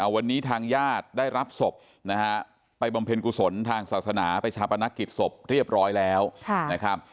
วันนี้ทางญาติได้รับศพนะฮะไปบำเพ็ญกุศลทางศาสนาไปชาปนักกิจศพเรียบร้อยแล้วนะครับ